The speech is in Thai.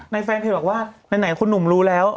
แฟนเพจบอกว่าไหนคุณหนุ่มรู้แล้ว